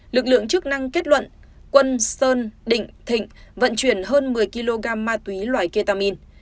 lực lượng chức năng kết luận quân sơn định thịnh vận chuyển hơn một mươi kg ma túy loại ketamin